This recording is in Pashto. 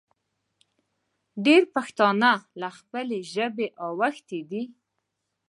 ډېر پښتانه له خپلې ژبې اوښتې دي